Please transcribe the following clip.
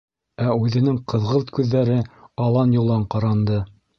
Ә үҙенең ҡыҙғылт күҙҙәре алан-йолан ҡаранды.